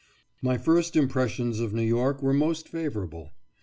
My first impressions of New York were most favourable.